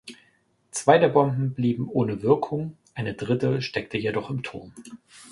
Zwei der Bomben blieben ohne Wirkung, eine dritte steckte jedoch im Turm.